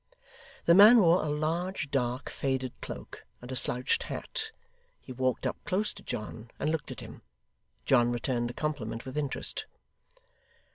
The man wore a large, dark, faded cloak, and a slouched hat; he walked up close to John, and looked at him. John returned the compliment with interest.